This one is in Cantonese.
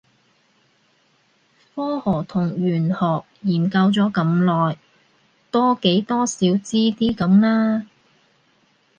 科學同玄學研究咗咁耐，多幾多少知啲咁啦